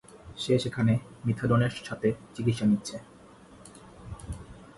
সে সেখানে মিথাডোনের সাথে চিকিৎসা নিচ্ছে।